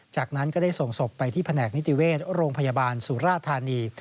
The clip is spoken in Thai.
จากนั้นก็ได้ส่งศพไปที่แผนกนิติเวชโรงพยาบาลสุราธานี